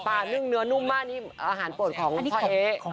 ปลานึ่งเนื้อนุ่มมากอาหารเปิดของพ่อเอ๊ะ